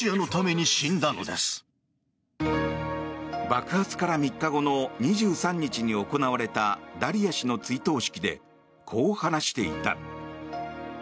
爆発から３日後の２３日に行われたダリヤ氏の追悼式でこう話していた。